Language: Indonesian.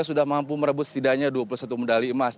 sudah mampu merebut setidaknya dua puluh satu medali emas